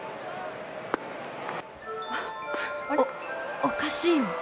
おっ、おかしいよ！